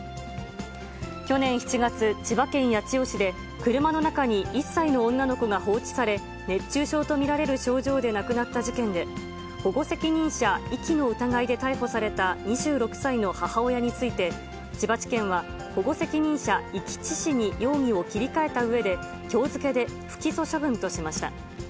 去年７月、千葉県八千代市で、車の中に１歳の女の子が放置され、熱中症と見られる症状で亡くなった事件で、保護責任者遺棄の疑いで逮捕された２６歳の母親について、千葉地検は、保護責任者遺棄致死に容疑を切り替えたうえで、きょう付けで不起訴処分としました。